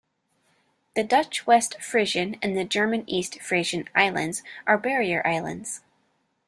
The Dutch West Frisian and the German East Frisian Islands are barrier islands.